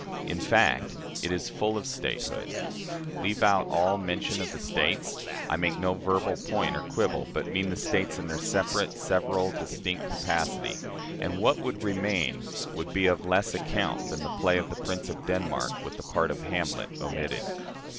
In fact, it is full of statehood. Leave out all mention of the States I make no mere verbal point or quibble, but mean the States in their separate, several, distinct capacity and what would remain would be of less account than the play of the Prince of Denmark with the part of Hamlet omitted.